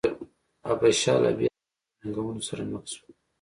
حبشه له بېلابېلو ننګونو سره مخ شوه.